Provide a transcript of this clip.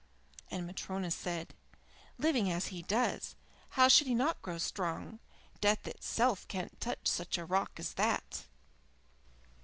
And Matryona said: "Living as he does, how should he not grow strong? Death itself can't touch such a rock as that."